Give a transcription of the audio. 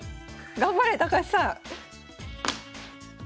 頑張れ高橋さん。